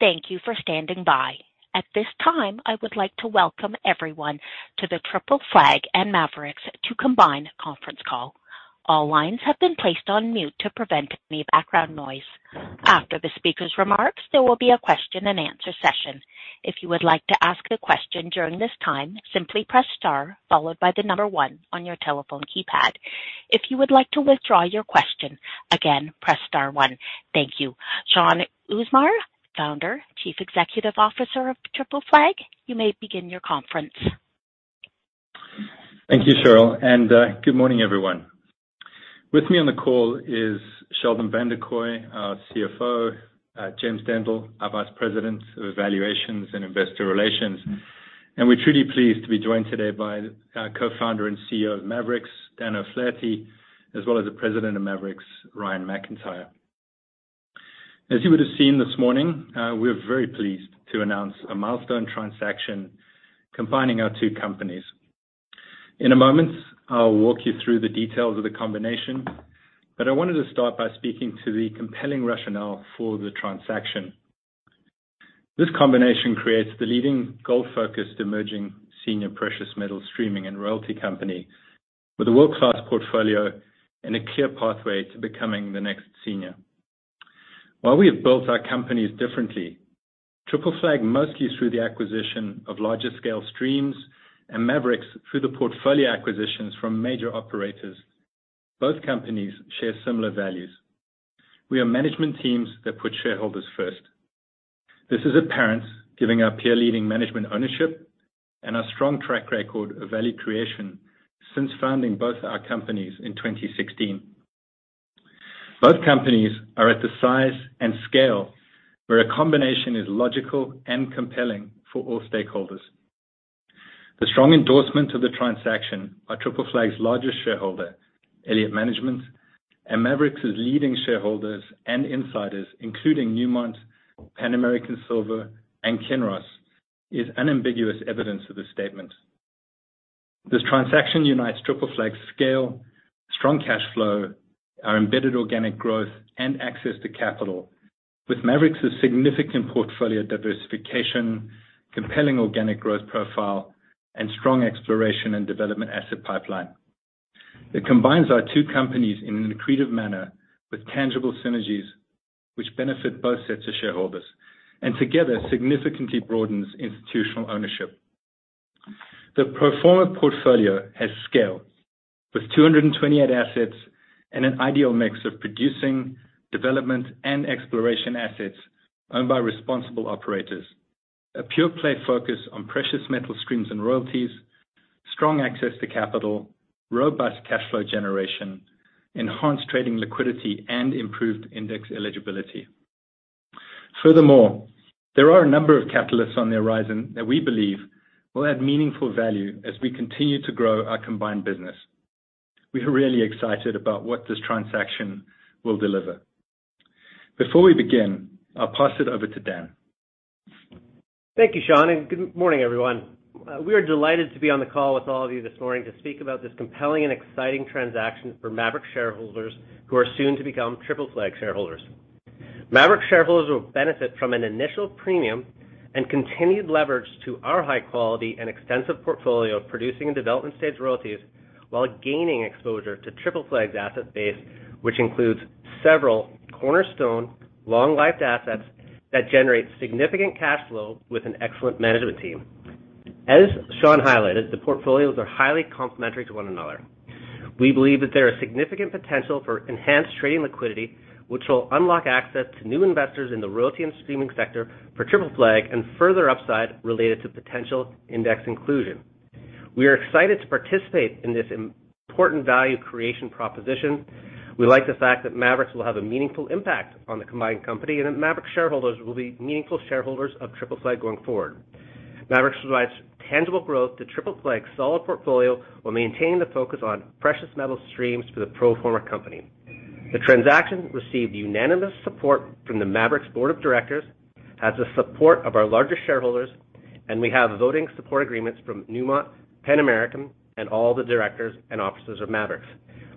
Thank you for standing by. At this time, I would like to welcome everyone to the Triple Flag and Maverix combination conference call. All lines have been placed on mute to prevent any background noise. After the speaker's remarks, there will be a question and answer session. If you would like to ask a question during this time, simply press star followed by the number one on your telephone keypad. If you would like to withdraw your question, again, press star one. Thank you. Shaun Usmar, Founder, Chief Executive Officer of Triple Flag, you may begin your conference. Thank you, Cheryl, and good morning, everyone. With me on the call is Sheldon Vanderkooy, our CFO, James Dendle, our Vice President of Evaluations and Investor Relations. We're truly pleased to be joined today by our Co-Founder and CEO of Maverix, Dan O'Flaherty, as well as the President of Maverix, Ryan McIntyre. As you would have seen this morning, we're very pleased to announce a milestone transaction combining our two companies. In a moment, I'll walk you through the details of the combination, but I wanted to start by speaking to the compelling rationale for the transaction. This combination creates the leading gold-focused emerging senior precious metal streaming and royalty company with a world-class portfolio and a clear pathway to becoming the next senior. While we have built our companies differently, Triple Flag, mostly through the acquisition of larger scale streams, and Maverix through the portfolio acquisitions from major operators, both companies share similar values. We are management teams that put shareholders first. This is apparent given our peer-leading management ownership and our strong track record of value creation since founding both our companies in 2016. Both companies are at the size and scale where a combination is logical and compelling for all stakeholders. The strong endorsement of the transaction by Triple Flag's largest shareholder, Elliott Management, and Maverix's leading shareholders and insiders, including Newmont, Pan American Silver, and Kinross, is unambiguous evidence of this statement. This transaction unites Triple Flag's scale, strong cash flow, our embedded organic growth, and access to capital with Maverix's significant portfolio diversification, compelling organic growth profile, and strong exploration and development asset pipeline. It combines our two companies in an accretive manner with tangible synergies which benefit both sets of shareholders, and together, significantly broadens institutional ownership. The pro forma portfolio has scale with 228 assets and an ideal mix of producing, development, and exploration assets owned by responsible operators, a pure-play focus on precious metal streams and royalties, strong access to capital, robust cash flow generation, enhanced trading liquidity, and improved index eligibility. Furthermore, there are a number of catalysts on the horizon that we believe will add meaningful value as we continue to grow our combined business. We are really excited about what this transaction will deliver. Before we begin, I'll pass it over to Dan. Thank you, Shaun, and good morning, everyone. We are delighted to be on the call with all of you this morning to speak about this compelling and exciting transaction for Maverix shareholders who are soon to become Triple Flag shareholders. Maverix shareholders will benefit from an initial premium and continued leverage to our high quality and extensive portfolio of producing and development stage royalties while gaining exposure to Triple Flag's asset base, which includes several cornerstone long-lived assets that generate significant cash flow with an excellent management team. As Shaun highlighted, the portfolios are highly complementary to one another. We believe that there are significant potential for enhanced trading liquidity, which will unlock access to new investors in the royalty and streaming sector for Triple Flag and further upside related to potential index inclusion. We are excited to participate in this important value creation proposition. We like the fact that Maverix will have a meaningful impact on the combined company, and that Maverix shareholders will be meaningful shareholders of Triple Flag going forward. Maverix provides tangible growth to Triple Flag's solid portfolio while maintaining the focus on precious metal streams for the pro forma company. The transaction received unanimous support from the Maverix board of directors, has the support of our largest shareholders, and we have voting support agreements from Newmont, Pan American, and all the directors and officers of Maverix.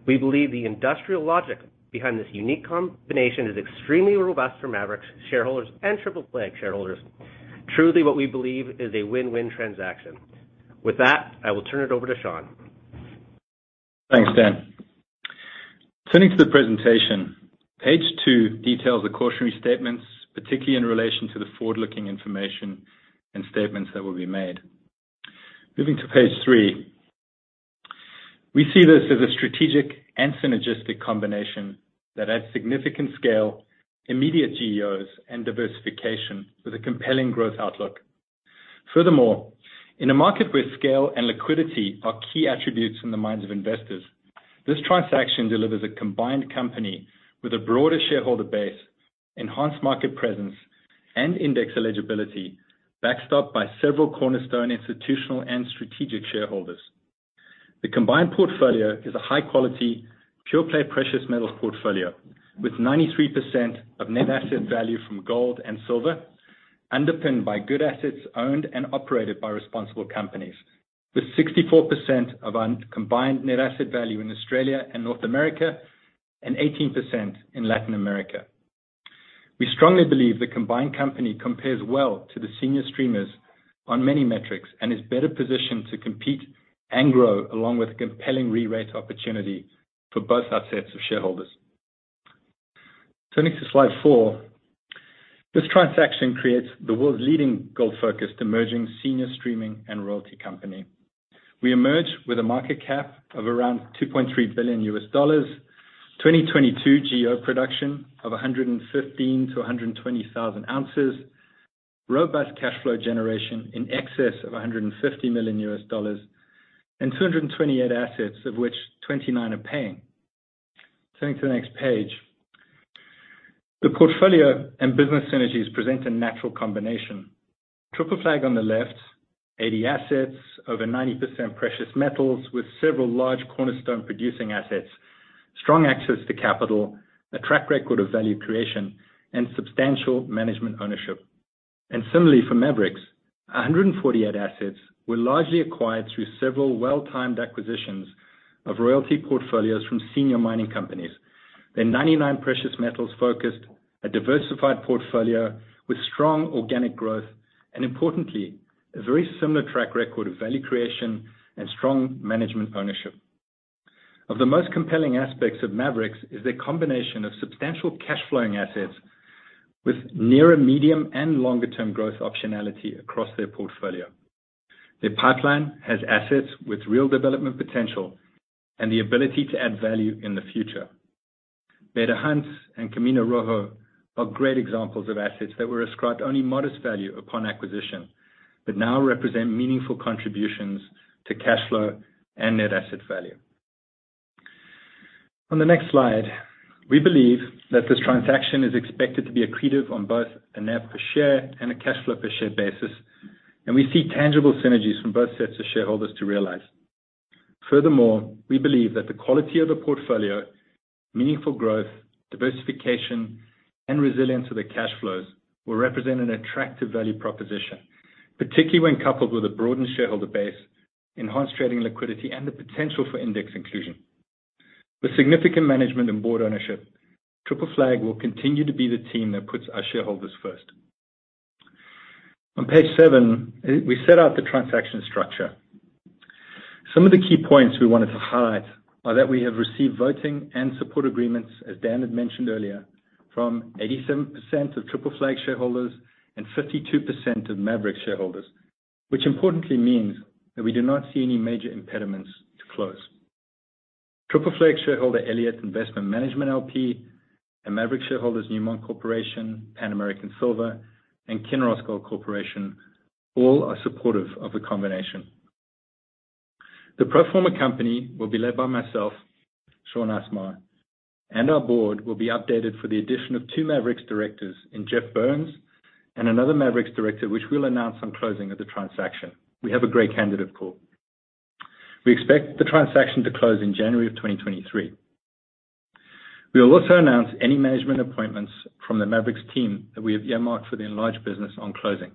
We believe the industrial logic behind this unique combination is extremely robust for Maverix shareholders and Triple Flag shareholders. Truly what we believe is a win-win transaction. With that, I will turn it over to Shaun. Thanks, Dan. Turning to the presentation, page two details the cautionary statements, particularly in relation to the forward-looking information and statements that will be made. Moving to page three, we see this as a strategic and synergistic combination that adds significant scale, immediate GEOs, and diversification with a compelling growth outlook. Furthermore, in a market where scale and liquidity are key attributes in the minds of investors, this transaction delivers a combined company with a broader shareholder base, enhanced market presence, and index eligibility, backstopped by several cornerstone institutional and strategic shareholders. The combined portfolio is a high-quality, pure-play precious metal portfolio with 93% of net asset value from gold and silver. Underpinned by good assets owned and operated by responsible companies, with 64% of our combined net asset value in Australia and North America, and 18% in Latin America. We strongly believe the combined company compares well to the senior streamers on many metrics, and is better positioned to compete and grow along with a compelling re-rate opportunity for both our sets of shareholders. Turning to slide four. This transaction creates the world's leading gold-focused emerging senior streaming and royalty company. We emerge with a market cap of around $2.3 billion, 2022 GEO production of 115,000-120,000 ounces, robust cash flow generation in excess of $150 million, and 228 assets, of which 29 are paying. Turning to the next page. The portfolio and business synergies present a natural combination. Triple Flag on the left, 80 assets, over 90% precious metals with several large cornerstone producing assets, strong access to capital, a track record of value creation, and substantial management ownership. Similarly for Maverix's, 148 assets were largely acquired through several well-timed acquisitions of royalty portfolios from senior mining companies. Their 99% precious metals focused, a diversified portfolio with strong organic growth, and importantly, a very similar track record of value creation and strong management ownership. One of the most compelling aspects of Maverix's is their combination of substantial cash flowing assets with near and medium and longer term growth optionality across their portfolio. Their pipeline has assets with real development potential and the ability to add value in the future. Beta Hunt and Camino Rojo are great examples of assets that were ascribed only modest value upon acquisition, but now represent meaningful contributions to cash flow and net asset value. On the next slide, we believe that this transaction is expected to be accretive on both a NAV per share and a cash flow per share basis, and we see tangible synergies for both sets of shareholders to realize. Furthermore, we believe that the quality of the portfolio, meaningful growth, diversification, and resilience of their cash flows will represent an attractive value proposition, particularly when coupled with a broadened shareholder base, enhanced trading liquidity, and the potential for index inclusion. With significant management and board ownership, Triple Flag will continue to be the team that puts our shareholders first. On page seven, we set out the transaction structure. Some of the key points we wanted to highlight are that we have received voting and support agreements, as Dan had mentioned earlier, from 87% of Triple Flag shareholders and 52% of Maverix shareholders, which importantly means that we do not see any major impediments to close. Triple Flag shareholder, Elliott Investment Management L.P., and Maverix shareholders, Newmont Corporation, Pan American Silver, and Kinross Gold Corporation all are supportive of the combination. The pro forma company will be led by myself, Shaun Usmar, and our board will be updated for the addition of two Maverix's directors in Geoff Burns and another Maverix's director, which we'll announce on closing of the transaction. We have a great candidate pool. We expect the transaction to close in January 2023. We will also announce any management appointments from the Maverix's team that we have earmarked for the enlarged business on closing.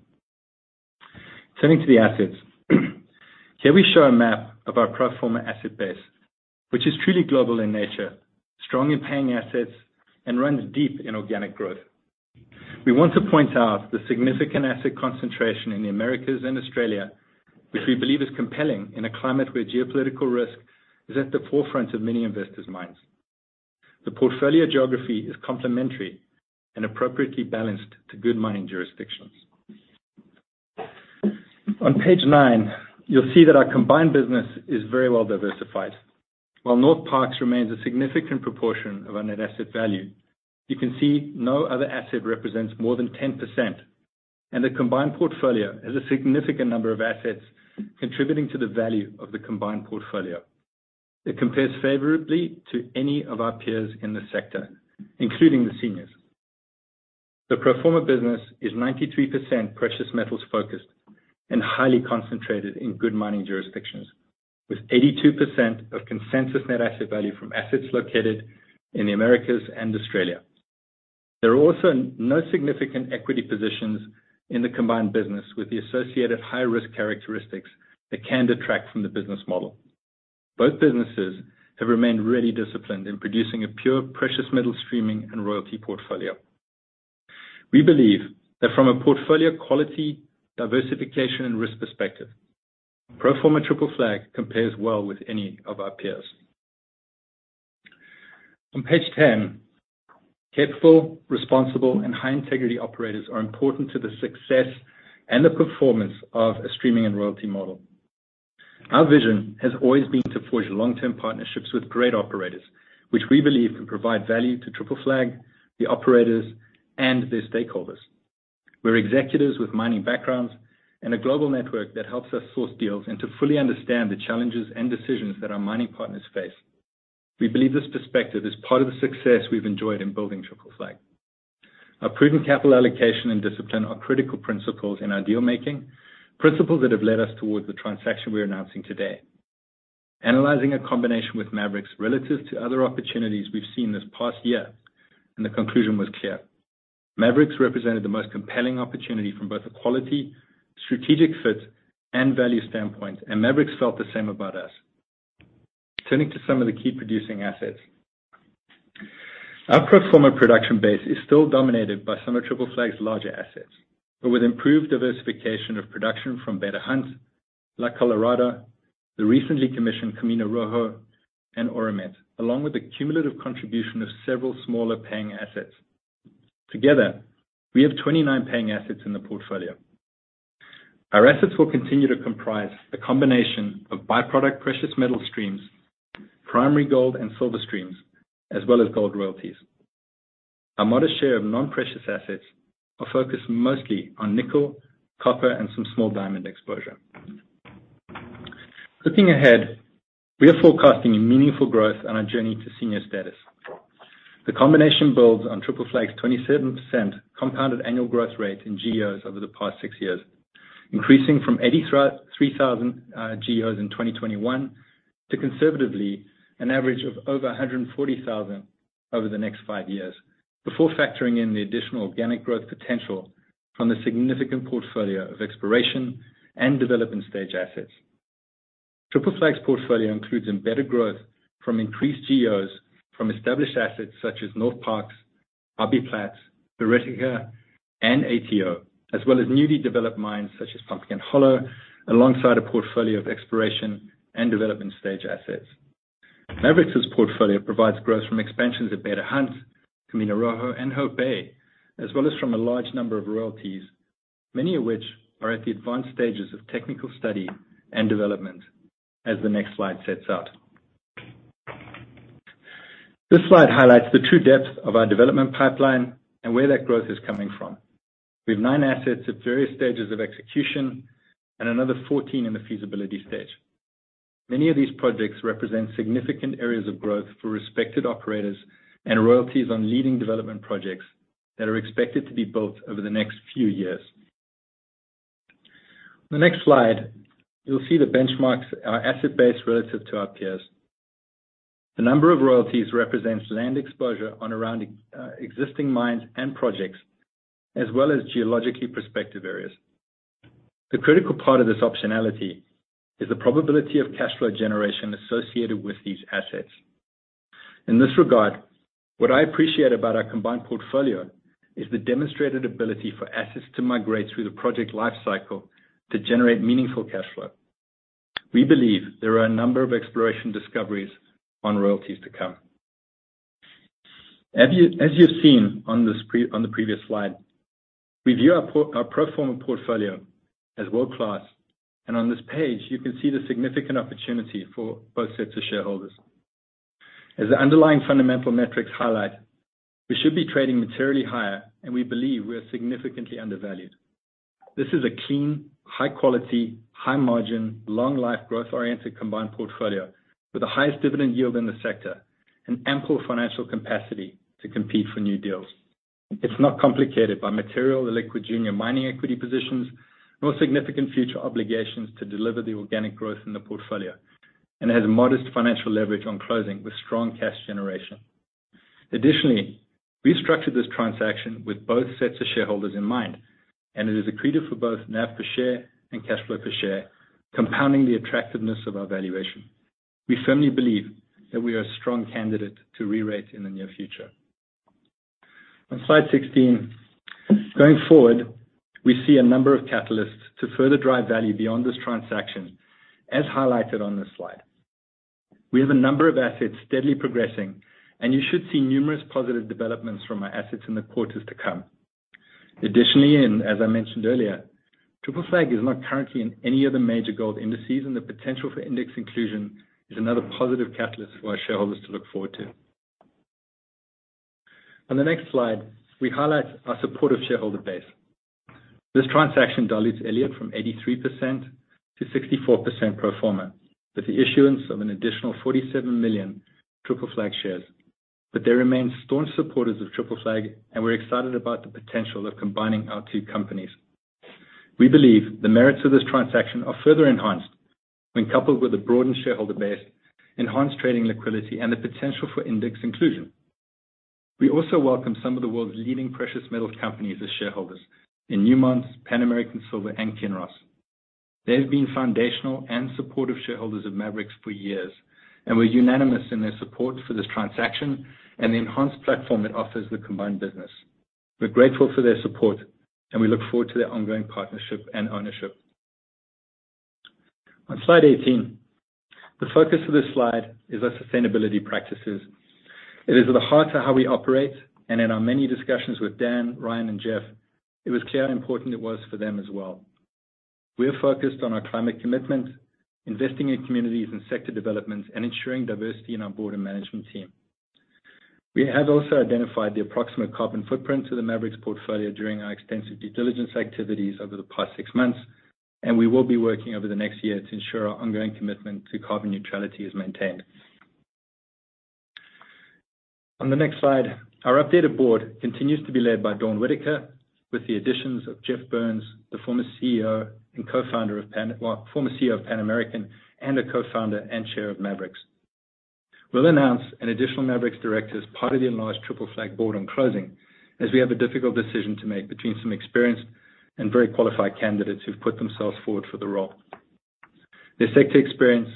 Turning to the assets. Here we show a map of our pro forma asset base, which is truly global in nature, strong in paying assets, and runs deep in organic growth. We want to point out the significant asset concentration in the Americas and Australia, which we believe is compelling in a climate where geopolitical risk is at the forefront of many investors' minds. The portfolio geography is complementary and appropriately balanced to good mining jurisdictions. On page nine, you'll see that our combined business is very well diversified. While Northparkes remains a significant proportion of our net asset value, you can see no other asset represents more than 10%, and the combined portfolio has a significant number of assets contributing to the value of the combined portfolio. It compares favorably to any of our peers in the sector, including the seniors. The pro forma business is 93% precious metals focused and highly concentrated in good mining jurisdictions, with 82% of consensus net asset value from assets located in the Americas and Australia. There are also no significant equity positions in the combined business with the associated high risk characteristics that can detract from the business model. Both businesses have remained really disciplined in producing a pure, precious metal streaming and royalty portfolio. We believe that from a portfolio quality, diversification, and risk perspective, pro forma Triple Flag compares well with any of our peers. On page 10, careful, responsible, and high integrity operators are important to the success and the performance of a streaming and royalty model. Our vision has always been to forge long-term partnerships with great operators, which we believe can provide value to Triple Flag, the operators, and their stakeholders. We're executives with mining backgrounds and a global network that helps us source deals and to fully understand the challenges and decisions that our mining partners face. We believe this perspective is part of the success we've enjoyed in building Triple Flag. Our proven capital allocation and discipline are critical principles in our deal-making, principles that have led us towards the transaction we're announcing today. Analyzing a combination with Maverix relative to other opportunities we've seen this past year, and the conclusion was clear. Maverix represented the most compelling opportunity from both a quality, strategic fit, and value standpoint, and Maverix felt the same about us. Turning to some of the key producing assets. Our pro forma production base is still dominated by some of Triple Flag's larger assets, but with improved diversification of production from Beta Hunt, La Colorada, the recently commissioned Camino Rojo, and Auramet, along with the cumulative contribution of several smaller paying assets. Together, we have 29 paying assets in the portfolio. Our assets will continue to comprise a combination of by-product precious metal streams, primary gold and silver streams, as well as gold royalties. Our modest share of non-precious assets are focused mostly on nickel, copper, and some small diamond exposure. Looking ahead, we are forecasting a meaningful growth on our journey to senior status. The combination builds on Triple Flag's 27% compounded annual growth rate in GEOs over the past six years, increasing from 83,000 GEOs in 2021 to conservatively an average of over 140,000 over the next five years, before factoring in the additional organic growth potential from the significant portfolio of exploration and development stage assets. Triple Flag's portfolio includes embedded growth from increased GEOs from established assets such as Northparkes, Hobby Plat, Buriticá, and ATO, as well as newly developed mines such as Pumpkin Hollow, alongside a portfolio of exploration and development stage assets. Maverix's portfolio provides growth from expansions at Beta Hunt, Camino Rojo, and Hope Bay, as well as from a large number of royalties, many of which are at the advanced stages of technical study and development as the next slide sets out. This slide highlights the true depth of our development pipeline and where that growth is coming from. We have nine assets at various stages of execution and another 14 in the feasibility stage. Many of these projects represent significant areas of growth for respected operators and royalties on leading development projects that are expected to be built over the next few years. On the next slide, you'll see the benchmarks our asset base relative to our peers. The number of royalties represents land exposure on and around existing mines and projects, as well as geologically prospective areas. The critical part of this optionality is the probability of cash flow generation associated with these assets. In this regard, what I appreciate about our combined portfolio is the demonstrated ability for assets to migrate through the project life cycle to generate meaningful cash flow. We believe there are a number of exploration discoveries on royalties to come. As you've seen on the previous slide, we view our pro forma portfolio as world-class, and on this page, you can see the significant opportunity for both sets of shareholders. As the underlying fundamental metrics highlight, we should be trading materially higher, and we believe we are significantly undervalued. This is a clean, high quality, high margin, long life growth-oriented combined portfolio with the highest dividend yield in the sector and ample financial capacity to compete for new deals. It's not complicated by material illiquid junior mining equity positions, nor significant future obligations to deliver the organic growth in the portfolio, and it has modest financial leverage on closing with strong cash generation. Additionally, we structured this transaction with both sets of shareholders in mind, and it is accretive for both NAV per share and cash flow per share, compounding the attractiveness of our valuation. We firmly believe that we are a strong candidate to re-rate in the near future. On slide 16, going forward, we see a number of catalysts to further drive value beyond this transaction, as highlighted on this slide. We have a number of assets steadily progressing, and you should see numerous positive developments from our assets in the quarters to come. Additionally, and as I mentioned earlier, Triple Flag is not currently in any of the major gold indices, and the potential for index inclusion is another positive catalyst for our shareholders to look forward to. On the next slide, we highlight our supportive shareholder base. This transaction dilutes Elliott from 83%-64% pro forma, with the issuance of an additional 47 million Triple Flag shares. They remain staunch supporters of Triple Flag and we're excited about the potential of combining our two companies. We believe the merits of this transaction are further enhanced when coupled with a broadened shareholder base, enhanced trading liquidity, and the potential for index inclusion. We also welcome some of the world's leading precious metal companies as shareholders in Newmont, Pan American Silver, and Kinross. They have been foundational and supportive shareholders of Maverix for years and were unanimous in their support for this transaction and the enhanced platform it offers the combined business. We're grateful for their support, and we look forward to their ongoing partnership and ownership. On slide 18, the focus of this slide is our sustainability practices. It is at the heart of how we operate, and in our many discussions with Dan, Ryan, and Jeff, it was clear how important it was for them as well. We are focused on our climate commitment, investing in communities and sector developments, and ensuring diversity in our board and management team. We have also identified the approximate carbon footprint to the Maverix portfolio during our extensive due diligence activities over the past six months, and we will be working over the next year to ensure our ongoing commitment to carbon neutrality is maintained. On the next slide, our updated board continues to be led by Dawn Whittaker, with the additions of Geoff Burns, the former CEO and co-founder of Pan American Silver and a co-founder and Chair of Maverix. We'll announce an additional Maverix director as part of the enlarged Triple Flag board on closing, as we have a difficult decision to make between some experienced and very qualified candidates who've put themselves forward for the role. Their sector experience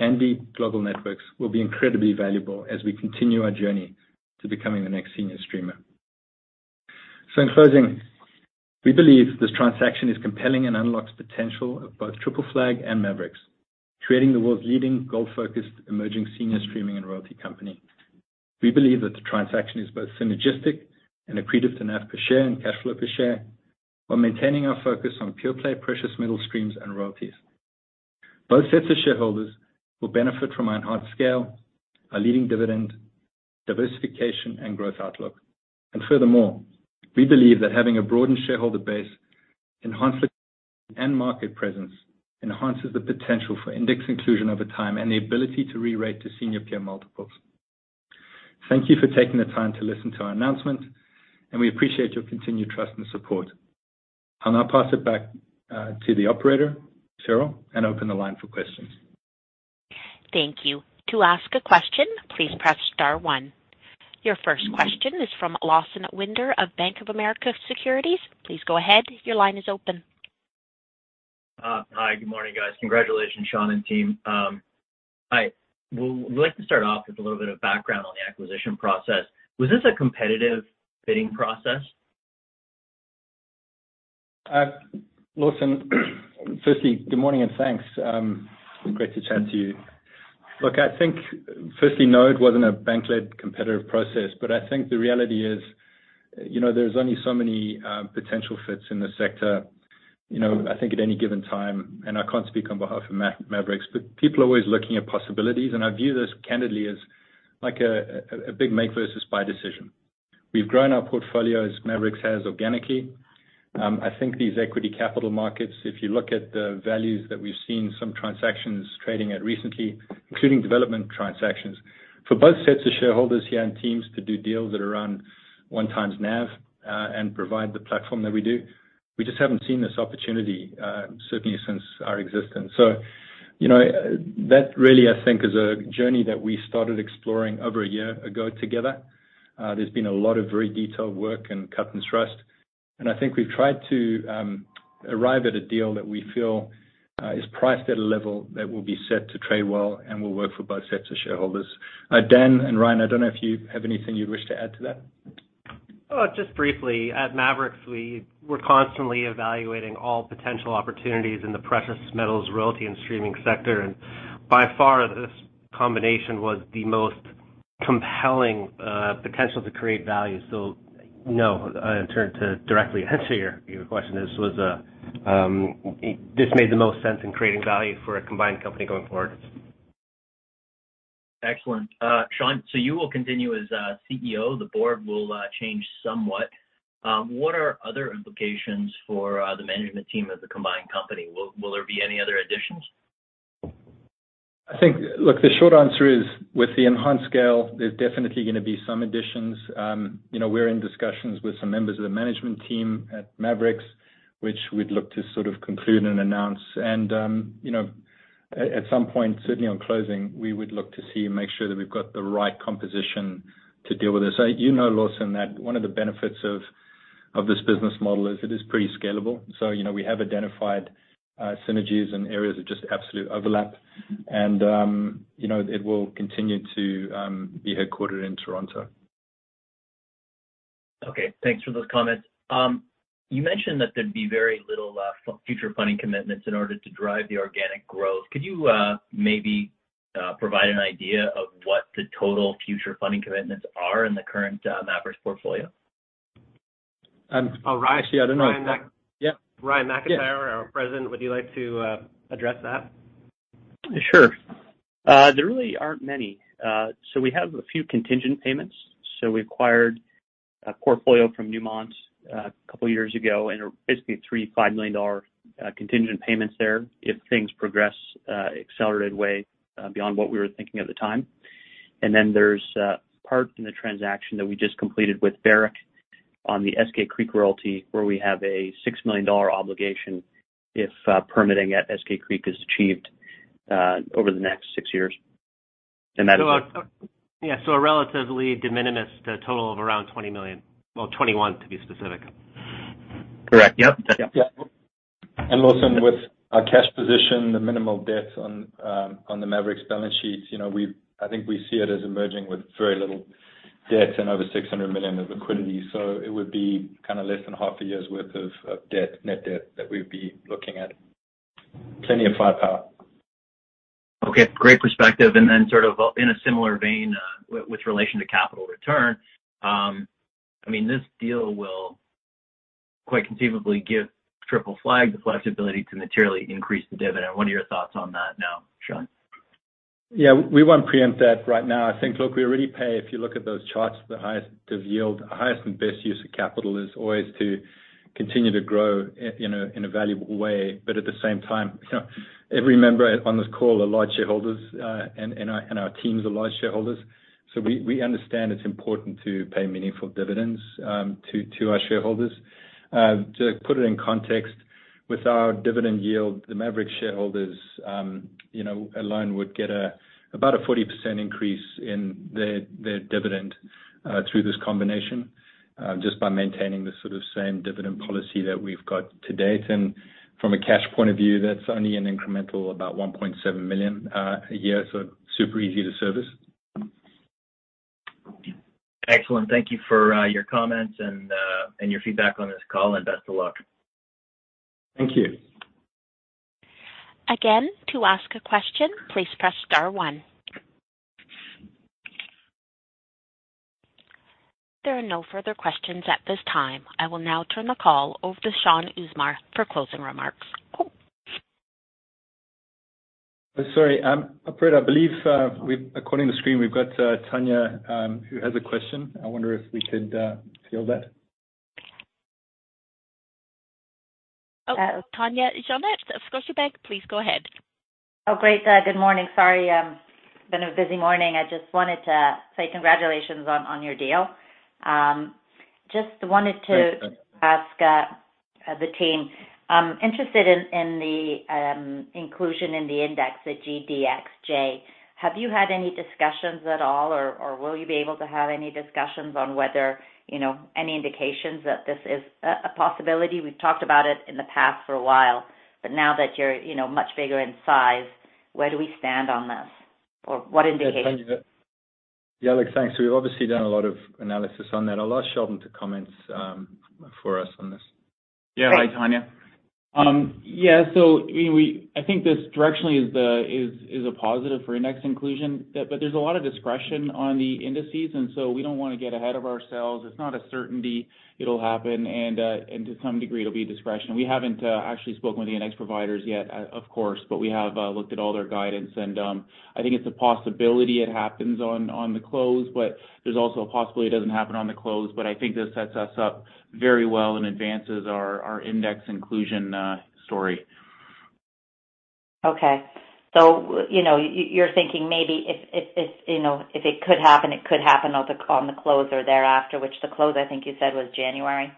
and the global networks will be incredibly valuable as we continue our journey to becoming the next senior streamer. In closing, we believe this transaction is compelling and unlocks potential of both Triple Flag and Maverix, creating the world's leading gold-focused emerging senior streaming and royalty company. We believe that the transaction is both synergistic and accretive to NAV per share and cash flow per share, while maintaining our focus on pure-play precious metal streams and royalties. Both sets of shareholders will benefit from our enhanced scale, our leading dividend, diversification, and growth outlook. Furthermore, we believe that having a broadened shareholder base enhances the market presence, enhances the potential for index inclusion over time and the ability to re-rate to senior peer multiples. Thank you for taking the time to listen to our announcement, and we appreciate your continued trust and support. I'll now pass it back to the operator, Cheryl, and open the line for questions. Thank you. To ask a question, please press star one. Your first question is from Lawson Winder of Bank of America Securities. Please go ahead. Your line is open. Hi. Good morning, guys. Congratulations, Shaun and team. We'd like to start off with a little bit of background on the acquisition process. Was this a competitive bidding process? Lawson, good morning and thanks. Great to chat to you. Look, I think firstly, no, it wasn't a bank-led competitive process, but I think the reality is, you know, there's only so many potential fits in the sector. You know, I think at any given time, and I can't speak on behalf of Maverix, but people are always looking at possibilities, and I view this candidly as like a big make versus buy decision. We've grown our portfolio, as Maverix has, organically. I think these equity capital markets, if you look at the values that we've seen some transactions trading at recently, including development transactions. For both sets of shareholders here and teams to do deals that are around 1x NAV, and provide the platform that we do, we just haven't seen this opportunity, certainly since our existence. You know, that really, I think, is a journey that we started exploring over a year ago together. There's been a lot of very detailed work and cut and trust, and I think we've tried to arrive at a deal that we feel is priced at a level that will be set to trade well and will work for both sets of shareholders. Dan and Ryan, I don't know if you have anything you'd wish to add to that. Well, just briefly, at Maverix, we're constantly evaluating all potential opportunities in the precious metals royalty and streaming sector, and by far, this combination was the most compelling potential to create value. No, in turn to directly answer your question, this made the most sense in creating value for a combined company going forward. Excellent. Shaun, you will continue as CEO, the board will change somewhat. What are other implications for the management team as a combined company? Will there be any other additions? Look, the short answer is, with the enhanced scale, there's definitely gonna be some additions. You know, we're in discussions with some members of the management team at Maverix, which we'd look to sort of conclude and announce. You know, at some point, certainly on closing, we would look to see and make sure that we've got the right composition to deal with this. You know, Lawson, that one of the benefits of this business model is it is pretty scalable. You know, we have identified synergies and areas of just absolute overlap and you know, it will continue to be headquartered in Toronto. Okay. Thanks for those comments. You mentioned that there'd be very little future funding commitments in order to drive the organic growth. Could you maybe provide an idea of what the total future funding commitments are in the current Maverix portfolio? Um- Oh, Ryan. Yeah, I don't know. Ryan Mac- Yeah. Ryan McIntyre, our President, would you like to address that? Sure. There really aren't many. We have a few contingent payments. We acquired a portfolio from Newmont a couple of years ago, and basically $3.5 million contingent payments there if things progress accelerated way beyond what we were thinking at the time. Then there's a part in the transaction that we just completed with Barrick on the Eskay Creek royalty, where we have a $6 million obligation if permitting at Eskay Creek is achieved over the next six years. That is- A relatively de minimis, the total of around $20 million. Well, $21 million to be specific. Correct. Yep. Yeah. Lawson, with our cash position, the minimal debts on the Maverix balance sheets, you know, I think we see it as emerging with very little debt and over $600 million of liquidity. It would be kind of less than half a year's worth of debt, net debt that we'd be looking at. Plenty of firepower. Okay, great perspective. Then sort of in a similar vein, with relation to capital return, I mean, this deal will quite conceivably give Triple Flag the flexibility to materially increase the dividend. What are your thoughts on that now, Shaun? Yeah, we won't preempt that right now. I think, look, we already pay, if you look at those charts, the highest of yield. The highest and best use of capital is always to continue to grow, you know, in a valuable way. At the same time, you know, every member on this call are large shareholders, and our teams are large shareholders. We understand it's important to pay meaningful dividends to our shareholders. To put it in context, with our dividend yield, the Maverix shareholders, you know, alone would get about a 40% increase in their dividend through this combination, just by maintaining the sort of same dividend policy that we've got to date. From a cash point of view, that's only an incremental about $1.7 million a year, so super easy to service. Excellent. Thank you for your comments and your feedback on this call, and best of luck. Thank you. Again, to ask a question, please press star one. There are no further questions at this time. I will now turn the call over to Shaun Usmar for closing remarks. Sorry, operator, I believe according to the screen, we've got Tanya who has a question. I wonder if we could field that. Oh, Tanya Jakusconek of Scotiabank, please go ahead. Oh, great. Good morning. Sorry, been a busy morning. I just wanted to say congratulations on your deal. Thanks. Ask the team. I'm interested in the inclusion in the index at GDXJ. Have you had any discussions at all, or will you be able to have any discussions on whether, you know, any indications that this is a possibility? We've talked about it in the past for a while, but now that you're, you know, much bigger in size, where do we stand on this? Or what indications Yeah. Tanya Jakusconek. Yeah, look, thanks. We've obviously done a lot of analysis on that. I'll ask Sheldon to comment for us on this. Great. Yeah. Hi, Tanya. I mean, I think this directionally is a positive for index inclusion. But there's a lot of discretion on the indices, and so we don't wanna get ahead of ourselves. It's not a certainty it'll happen, and to some degree, it'll be discretion. We haven't actually spoken with the index providers yet, of course, but we have looked at all their guidance. I think it's a possibility it happens on the close, but there's also a possibility it doesn't happen on the close. I think this sets us up very well and advances our index inclusion story. Okay. You know, you're thinking maybe if, you know, if it could happen on the close or thereafter, which the close, I think you said, was January?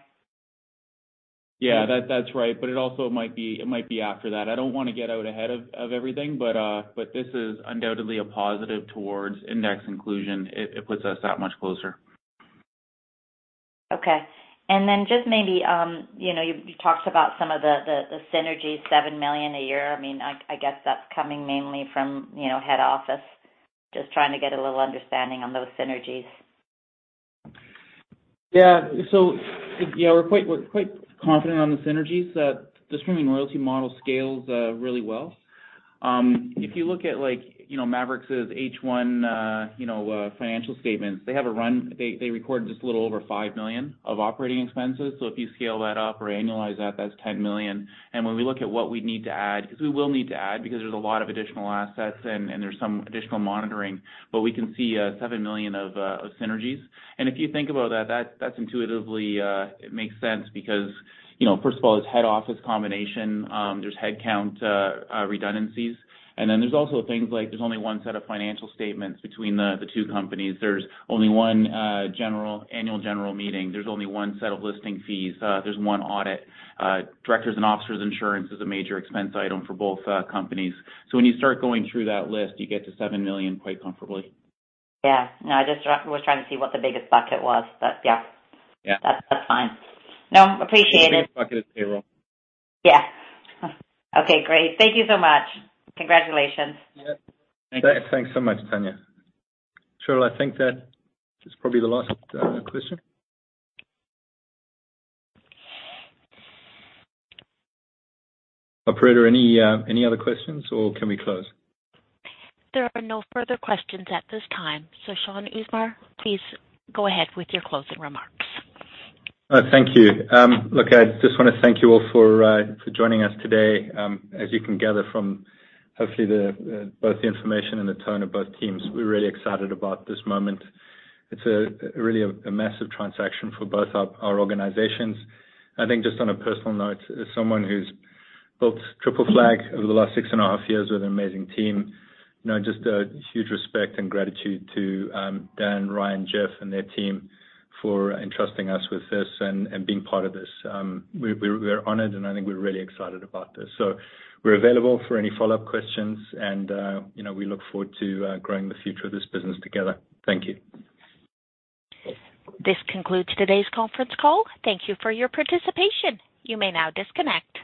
Yeah. That's right. It also might be after that. I don't wanna get out ahead of everything, but this is undoubtedly a positive towards index inclusion. It puts us that much closer. Okay. Just maybe, you know, you talked about some of the synergy, $7 million a year. I mean, I guess that's coming mainly from, you know, head office. Just trying to get a little understanding on those synergies. Yeah, we're quite confident on the synergies. The streaming royalty model scales really well. If you look at like, you know, Maverix H1 financial statements, they have a run rate. They recorded just a little over $5 million of operating expenses. If you scale that up or annualize that's $10 million. When we look at what we'd need to add, 'cause we will need to add because there's a lot of additional assets and there's some additional monitoring. We can see $7 million of synergies. If you think about that's intuitively it makes sense because, you know, first of all, it's head office combination. There's headcount redundancies. Then there's also things like there's only one set of financial statements between the two companies. There's only one general annual general meeting. There's only one set of listing fees. There's one audit. Directors and officers insurance is a major expense item for both companies. When you start going through that list, you get to $7 million quite comfortably. Yeah. No, I just was trying to see what the biggest bucket was. Yeah. Yeah. That's fine. No, appreciate it. The biggest bucket is payroll. Yeah. Okay, great. Thank you so much. Congratulations. Yeah. Thanks so much, Tanya. Sure. I think that is probably the last question. Operator, any other questions or can we close? There are no further questions at this time. Shaun Usmar, please go ahead with your closing remarks. Thank you. I just wanna thank you all for for joining us today. As you can gather from hopefully the both the information and the tone of both teams, we're really excited about this moment. It's really a massive transaction for both our organizations. I think just on a personal note, as someone who's built Triple Flag over the last six and a half years with an amazing team, you know, just a huge respect and gratitude to Dan, Ryan, Jeff, and their team for entrusting us with this and being part of this. We're honored, and I think we're really excited about this. We're available for any follow-up questions and you know, we look forward to growing the future of this business together. Thank you. This concludes today's conference call. Thank you for your participation. You may now disconnect.